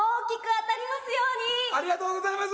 ありがとうございます。